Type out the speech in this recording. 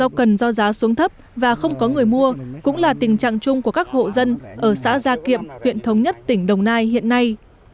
rau cần do giá xuống thấp và không có người mua cũng là tình trạng chung của các hộ dân ở xã gia kiệm huyện thống nhất tỉnh đồng nai hiện nay